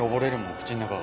口の中が。